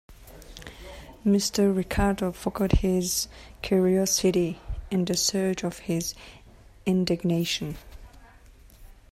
Mr. Ricardo forgot his curiosity in the surge of his indignation.